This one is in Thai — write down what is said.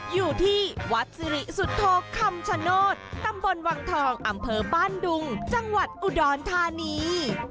อยู่ที่วัดสิริสุทธโธคำชโนธตำบลวังทองอำเภอบ้านดุงจังหวัดอุดรธานี